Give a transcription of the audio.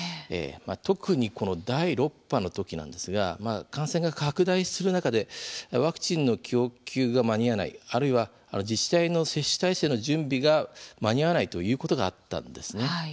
特に第６波のときなんですが感染が拡大する中でワクチンの供給が間に合わないあるいは自治体の接種体制の準備が間に合わないということがあったんですね。